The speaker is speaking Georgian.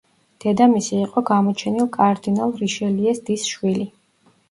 დედამისი იყო გამოჩენილ კარდინალ რიშელიეს დის შვილი.